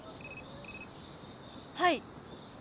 はい。